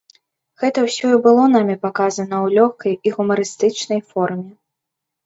Гэта ўсё і было намі паказана ў лёгкай і гумарыстычнай форме.